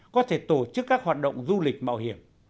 có thể tổ chức các hoạt động du lịch mạo hiểm